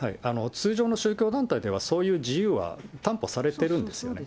通常の宗教団体ではそういう自由は担保されてるんですよね。